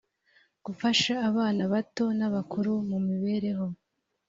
d gufasha abana bato n abakuru mu mibereho